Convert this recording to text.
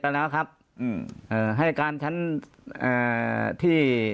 ปากกับภาคภูมิ